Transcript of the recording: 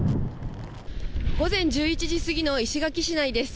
午前１１時過ぎの石垣市内です。